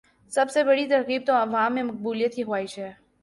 سب سے بڑی ترغیب تو عوام میں مقبولیت کی خواہش ہے۔